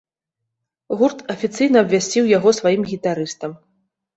Гурт афіцыйна абвясціў яго сваім гітарыстам.